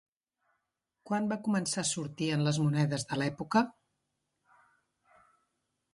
Quan va començar a sortir en les monedes de l'època?